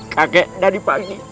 kakek dari pagi